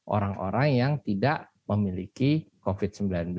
orang orang yang tidak memiliki covid sembilan belas